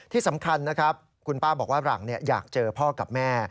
ที่สำคัญนะครับคุณป้าบอกว่าหลังอยากเจอพ่อกับแม่